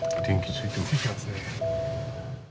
ついてますね。